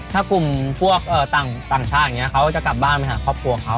ถ้ากลุ่มพวกต่างชาติมันจะกลับบ้านกับครอบครัวเค้า